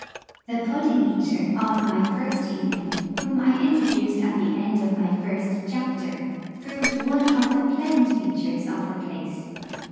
The pudding eater of my first evening, whom I introduced at the end of my first chapter, proved one of the pleasant features of the place.